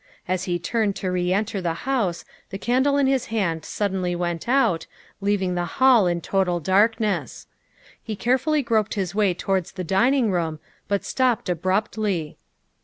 As he turned to reenter the house the candle in his hand suddenly went out, leaving the hall in total darkness. He carefully groped his way towards the dining room, but stopped abruptly.